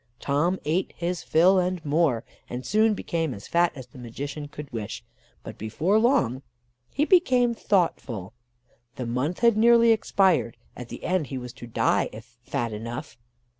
Tom ate his fill, and more, and soon became as fat as the magician could wish, but before long he became thoughtful. The month had nearly expired; at the end he was to die if fat enough.